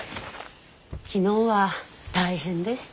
昨日は大変でした。